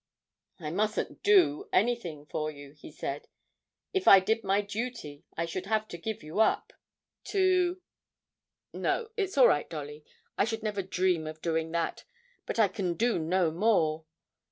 'I mustn't do anything for you,' he said; 'if I did my duty, I should have to give you up to No, it's all right, Dolly, I should never dream of doing that. But I can do no more.